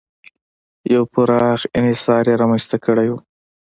یو پراخ انحصار یې رامنځته کړی و.